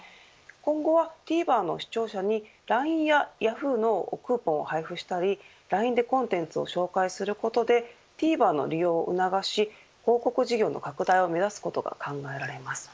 今後はＴＶｅｒの視聴者にＬＩＮＥやヤフーのクーポンを配布したりＬＩＮＥでコンテンツを紹介することでＴＶｅｒの利用を促し広告事業の拡大を目指すことが考えられます。